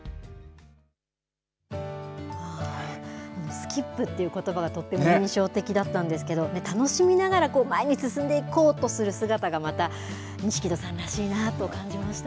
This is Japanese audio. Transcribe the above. スキップっていうことばが、とっても印象的だったんですけどね、楽しみながら前に進んでいこうとする姿がまた、錦戸さんらしいなと感じました。